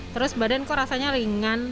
terus badanku rasanya ringan